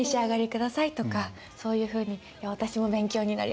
そういうふうに私も勉強になりました。